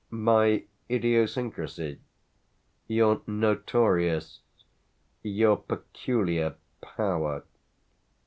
"My idiosyncrasy?" "Your notorious, your peculiar power."